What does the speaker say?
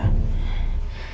mbak tania senang sedih ya